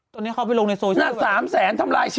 ตรงนี้เข้าไปลงในโซช่า